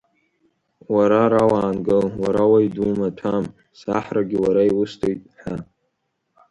Уара ара уаангыл, уара уаҩ думаҭәам, саҳрагьы уара иусҭоит, ҳәа.